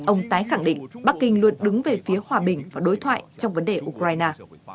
ông tái khẳng định bắc kinh luôn đứng về phía hòa bình và đối thoại trong vấn đề ukraine